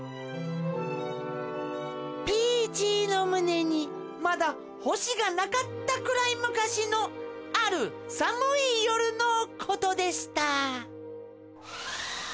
ピーチーのむねにまだほしがなかったくらいむかしのあるさむいよるのことでした。